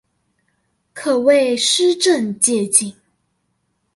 可為施政借鏡